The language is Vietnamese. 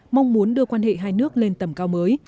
mong muốn đưa quan hệ hai nước lên tầm cao mới